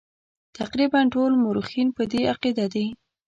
تقریبا ټول مورخین په دې عقیده دي.